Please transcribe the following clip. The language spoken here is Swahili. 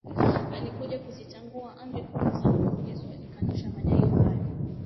alikuja kuzitangua Amri kumi za Mungu Yesu alikanusha madai hayo